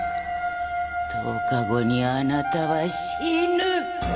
１０日後にあなたは死ぬ！